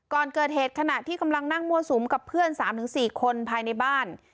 ก่อนเกิดเหตุขณะที่กำลังนั่งมั่วสุมกับเพื่อน๓๔คนภายในบ้าน